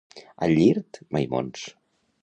A Llirt, maimons.